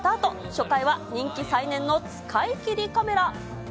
初回は人気再燃の使い切りカメラ。